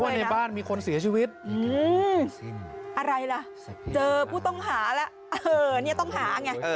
เหนือว่าในบ้านมีคนเสียชีวิตอืมอะไรล่ะเจอผู้ต้องหาแล้วเออเนี่ยต้องหาไง